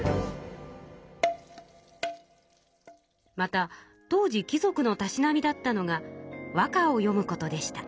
また当時貴族のたしなみだったのが和歌をよむことでした。